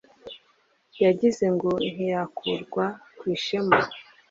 yagize ngo ntiyakurwa ku ishema